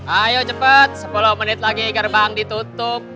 ayo cepat sepuluh menit lagi gerbang ditutup